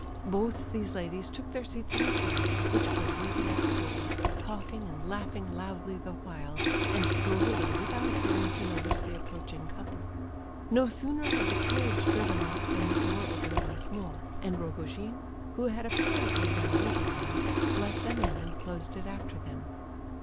Both these ladies took their seats in a carriage, which was waiting at the door, talking and laughing loudly the while, and drove away without appearing to notice the approaching couple. No sooner had the carriage driven off than the door opened once more; and Rogojin, who had apparently been awaiting them, let them in and closed it after them.